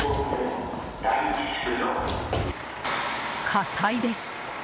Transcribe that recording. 火災です。